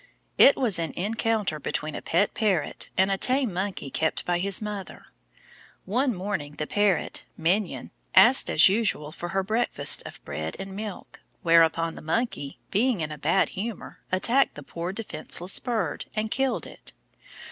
It was an encounter between a pet parrot and a tame monkey kept by his mother. One morning the parrot, Mignonne, asked as usual for her breakfast of bread and milk, whereupon the monkey, being in a bad humour, attacked the poor defenceless bird, and killed it.